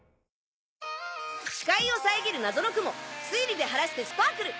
視界を遮る謎の雲推理で晴らしてスパークル！